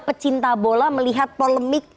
pecinta bola melihat polemik